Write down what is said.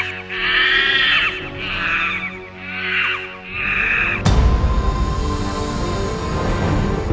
syarat yang ini memang agak berat